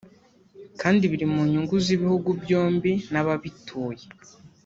kandi biri mu nyungu z’ibihugu byombi n’ababituye